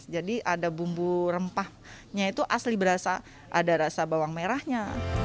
jadi ada bumbu rempahnya itu asli berasa ada rasa bawang merahnya